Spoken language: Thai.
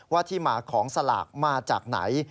ที่มาของสลากมาจากไหน